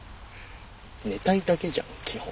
寝たいだけじゃん基本。